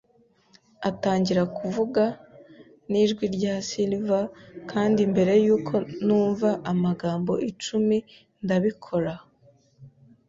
atangira kuvuga. Nijwi rya silver, kandi mbere yuko numva amagambo icumi, ndabikora